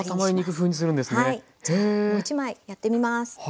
じゃあもう一枚やってみます。